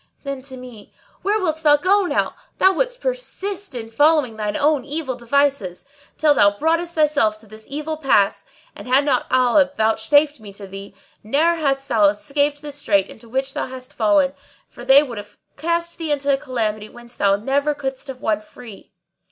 Then to me, "Where wilt thou go now? Thou wouldst persist in following thine own evil devices, till thou broughtest thyself to this ill pass; and, had not Allah vouchsafed me to thee, ne'er hadst thou escaped this strait into which thou hast fallen, for they would have cast thee into a calamity whence thou never couldest have won free.